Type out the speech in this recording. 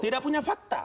tidak punya fakta